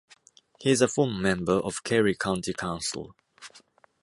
He is a former member of Kerry County Council.